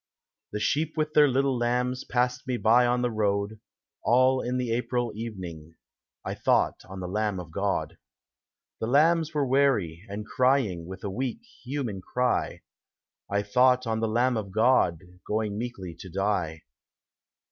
The sheep with their little lambs Passed me by on the road ; All in the April evening 1 thought on the Lamb of God. The lambs were weary, and crying With a weak, human cry. 1 thought on the Lamb of God Going meekly to die.